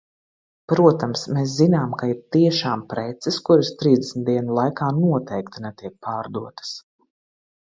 Protams, mēs zinām, ka ir tiešām preces, kuras trīsdesmit dienu laikā noteikti netiek pārdotas.